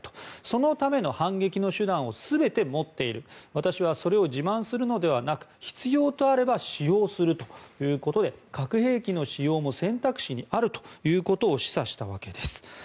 そのための反撃の手段を全て持っている私はそれを自慢するのではなく必要であれば使用するということで核兵器の使用も選択肢にあるということを示唆したわけです。